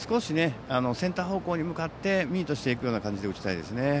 センター方向に向かってミートしていくような感じで打ちたいですね。